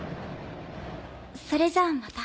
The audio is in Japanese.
「それじゃあまた。